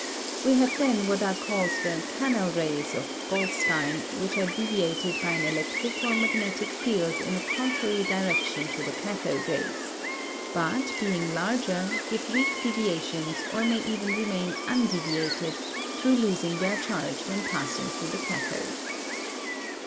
We have then what are called the canal rays of Goldstein, which are deviated by an electric or magnetic field in a contrary direction to the cathode rays; but, being larger, give weak deviations or may even remain undeviated through losing their charge when passing through the cathode.